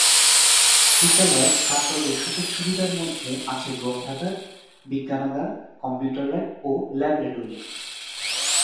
বিদ্যালয়ে ছাত্রদের সুযোগ-সুবিধার মধ্যে আছে গ্রন্থাগার, বিজ্ঞানাগার, কম্পিউটার ল্যাব ও ল্যাবরেটরি।